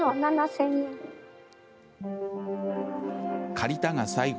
借りたが最後。